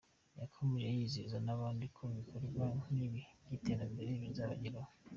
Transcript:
Yakomeje yizeza n’abandi ko ibikorwa nk’ibi by’iterambere bizabageraho.